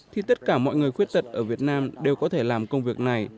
thì tất cả mọi người khuyết tật ở việt nam đều có thể làm công việc này